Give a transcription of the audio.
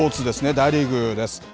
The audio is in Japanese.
大リーグです。